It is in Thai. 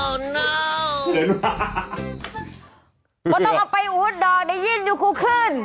ไม่ต้องเอาไปอู๊ดเดี๋ยวได้ยินอยู่คู่ขึ้น